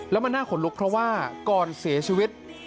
แล้วมันน่าขนลุกเพราะว่าก่อนเสียชีวิต